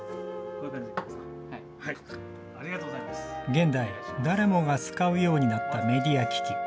現代、誰もが使うようになったメディア機器。